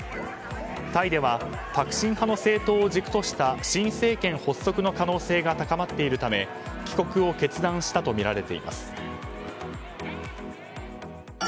タイではタクシン派の政党を軸とした新政権発足の可能性が高まっているため帰国を決断したとみられています。